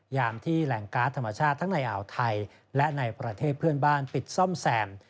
ที่แหล่งการ์ดธรรมชาติทั้งในอ่าวไทยและในประเทศเพื่อนบ้านปิดซ่อมแซม